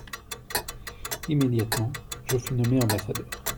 Immédiatement je fus nommé ambassadeur.